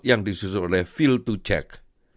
yang disusul oleh feel dua check